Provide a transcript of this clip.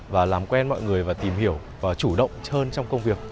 và làm quen mọi người và tìm hiểu và chủ động hơn trong công việc